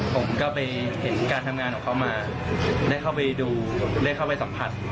ผมก็ไปเห็นการทำงานของเขามาได้เข้าไปดูได้เข้าไปสัมผัส